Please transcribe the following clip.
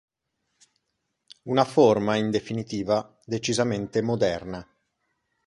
Un forma, in definitiva, decisamente ‘moderna'.